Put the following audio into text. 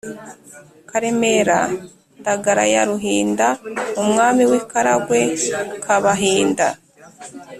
karemera ndagara ya ruhinda, umwami w'i karagwe k'abahinda.